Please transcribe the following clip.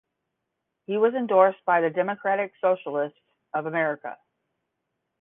He was endorsed by the Democratic Socialists of America.